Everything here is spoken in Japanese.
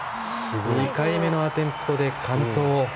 ２回目のアテンプトで完登。